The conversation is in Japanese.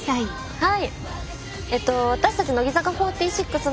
はい！